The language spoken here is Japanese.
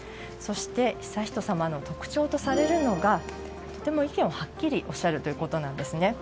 そして悠仁さまの特徴とされるのがとても意見をはっきりおっしゃるということです。